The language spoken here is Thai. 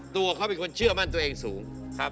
ตัวเขาเป็นคนเชื่อมั่นตัวเองสูงครับ